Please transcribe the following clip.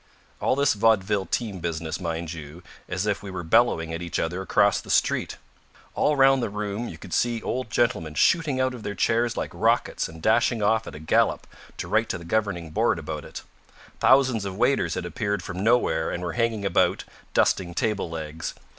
All this vaudeville team business, mind you, as if we were bellowing at each other across the street. All round the room you could see old gentlemen shooting out of their chairs like rockets and dashing off at a gallop to write to the governing board about it. Thousands of waiters had appeared from nowhere, and were hanging about, dusting table legs.